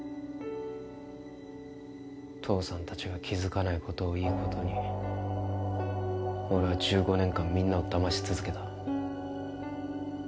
父さんたちが気付かないことをいいことに俺は１５年間みんなをだまし続けた。